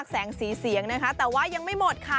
แสงสีเสียงนะคะแต่ว่ายังไม่หมดค่ะ